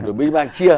rồi mới mang chia